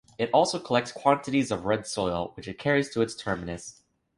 It also collects quantities of red soil, which it carries to its terminus.